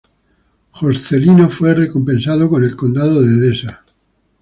Joscelino fue recompensado con el Condado de Edesa.